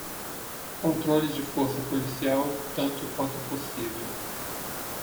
Controle de força policial, tanto quanto possível